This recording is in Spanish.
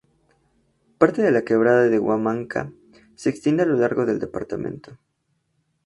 Parte de la Quebrada de Humahuaca se extiende a lo largo del departamento.